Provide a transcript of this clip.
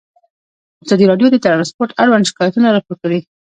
ازادي راډیو د ترانسپورټ اړوند شکایتونه راپور کړي.